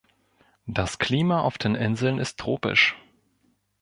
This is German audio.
Das Klima auf den Inseln ist tropisch.